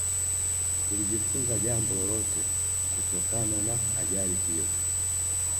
Tulijifunza jambo lolote kutokana na ajali hiyo